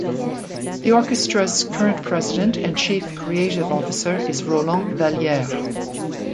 The orchestra's current President and Chief Creative Officer is Roland Valliere.